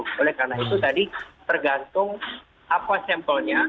oleh karena itu tadi tergantung apa sampelnya